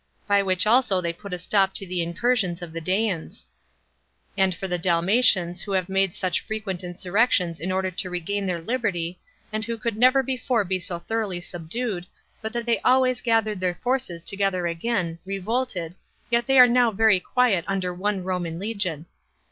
by which also they put a stop to the incursions of the Daeians. And for the Dalmatians, who have made such frequent insurrections in order to regain their liberty, and who could never before be so thoroughly subdued, but that they always gathered their forces together again, revolted, yet are they now very quiet under one Roman legion.